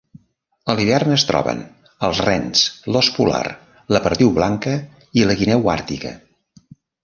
A l'hivern es troben els rens, l'ós polar, la perdiu blanca i la guineu àrtica.